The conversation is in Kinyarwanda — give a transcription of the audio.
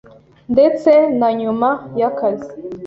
ndetse na nyuma y’akazi